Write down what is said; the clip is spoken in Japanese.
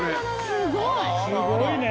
すごいね。